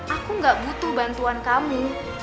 aku gak butuh bantuan kamu